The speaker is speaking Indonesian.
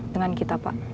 dengan kita pak